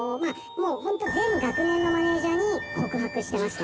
もうホント全学年のマネージャーに告白してました」